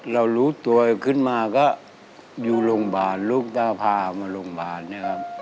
เรารู้ตัวขึ้นมาก็อยู่โรงพยาบาลลูกตาพามาโรงพยาบาลเนี่ยครับ